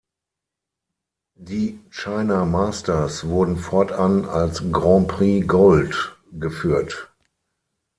Die China Masters wurden fortan als Grand Prix Gold geführt.